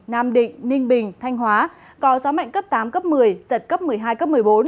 nam định ninh bình thanh hóa có gió mạnh cấp tám cấp một mươi giật cấp một mươi hai cấp một mươi bốn